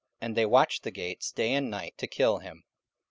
And they watched the gates day and night to kill him.